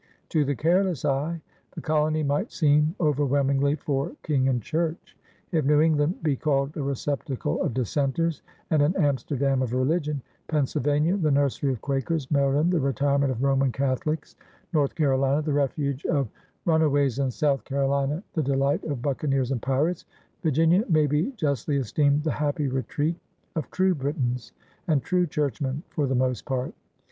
To the careless eye the colony might seem overwhelm ingly for King and Church. "If New England be called a Receptacle of Dissenters, and an Amster dam oi Religion, Pennsylvania the Nursery of Quakers, Maryland the Retirement of Roman Catholicks, North Carolina the Refuge of Run aways and South Carolina the Delight of Buccaneers and Pyrates, Virginia may be justly esteemed the happy Retreat of true Britons and true Churchmen for the most Part.